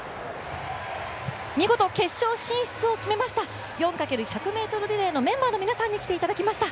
見事決勝進出を決めました４×１００ｍリレーのメンバーの皆さんに来ていただきました。